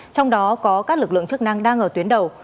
trong đó có các lực lượng chức năng đang ở tuyến đầu